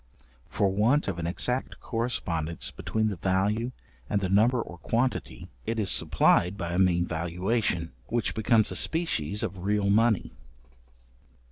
For want of an exact correspondence between the value and the number or quantity, it is supplied by a mean valuation, which becomes a species of real money.